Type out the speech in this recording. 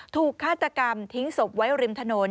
ฆาตกรรมทิ้งศพไว้ริมถนน